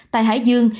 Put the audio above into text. tại hải dương